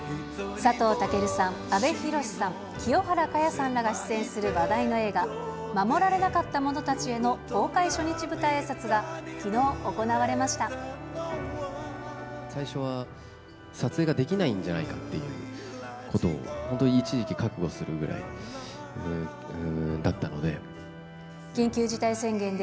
佐藤健さん、阿部寛さん、清原かやさんらが出演する話題の映画、護られなかった者たちへの公開初日舞台あいさつがきのう行われま最初は撮影ができないんじゃないかということを、本当に一時期覚悟するぐらいだったので。